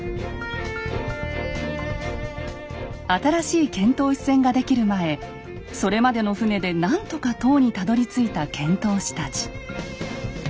新しい遣唐使船が出来る前それまでの船で何とか唐にたどりついた遣唐使たち。